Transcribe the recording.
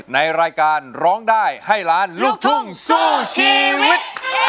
ในรายการร้องได้ให้ล้านลูกทุ่งสู้ชีวิต